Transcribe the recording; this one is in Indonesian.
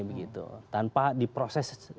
begitu tanpa diproses